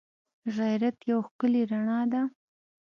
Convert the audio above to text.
غیرت یوه ښکلی رڼا ده